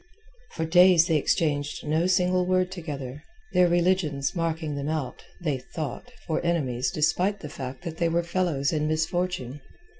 For days they exchanged no single word together, their religions marking them out, they thought, for enemies despite the fact that they were fellows in misfortune.